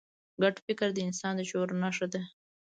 ګډ فکر د انسان د شعور نښه ده.